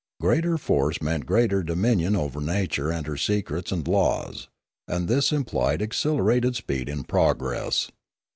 Greater force meant greater dominion over nature and her secrets and laws; and this implied accelerated speed in progress.